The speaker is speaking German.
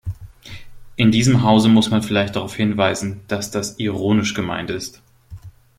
In diesem Hause muss man vielleicht darauf hinweisen, dass das ironisch gemeint ist.